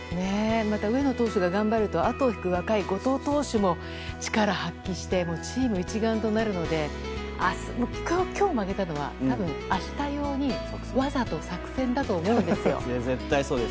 また上野投手が頑張るとあと、後藤投手も力を発揮してチーム一丸となるので今日負けたのは明日用にわざと作戦だと思うんです。